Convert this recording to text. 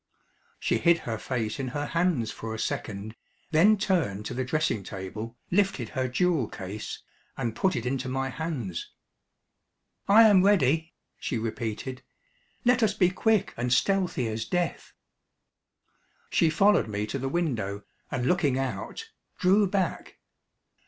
She hid her face in her hands for a second, then turned to the dressing table, lifted her jewel case and put it into my hands. "I am ready," she repeated: "let us be quick and stealthy as death." She followed me to the window and looking out, drew back.